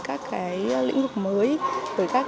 các lĩnh vực mới với các